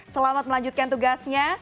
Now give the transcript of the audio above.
selamat melanjutkan tugasnya